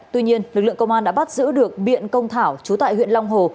tuy nhiên lực lượng công an đã bắt giữ được biện công thảo chú tại huyện long hồ